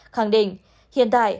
khẳng định hiện tại